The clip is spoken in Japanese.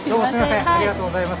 ありがとうございます。